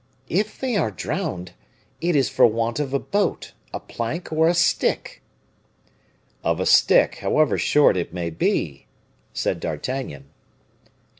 if they are drowned, it is for want of a boat, a plank, or a stick." "Of a stick, however short it may be," said D'Artagnan.